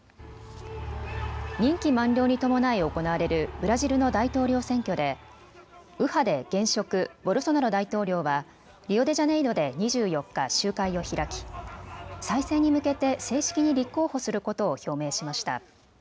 任期満了に伴い行われるブラジルの大統領選挙で右派で現職、ボルソナロ大統領はリオデジャネイロで２４日、集会を開き再選に向けて正式に立候補することを表明しました。